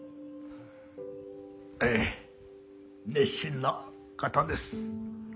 ええ熱心な方です。